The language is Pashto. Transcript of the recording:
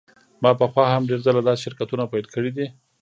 ما پخوا هم ډیر ځله داسې شرکتونه پیل کړي دي